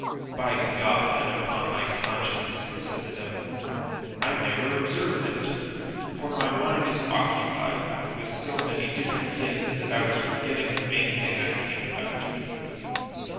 "By God and upon my conscience," said the devil, "I never observed it, for my mind is occupied with so many different things that I was forgetting the main thing I came about."